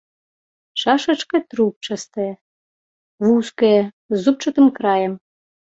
Чашачка трубчастая, вузкая, з зубчастым краем.